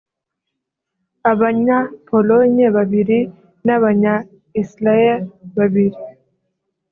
Abanya – Pologne babiri n’abanya -Israel babiri